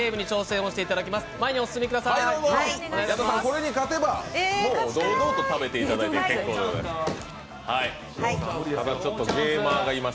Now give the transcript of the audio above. これに勝てばもう堂々と食べていただいて結構でございます。